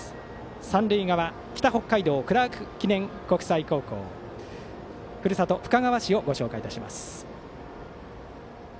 三塁側北北海道・クラーク記念国際高校ふるさと、深川市をご紹介します。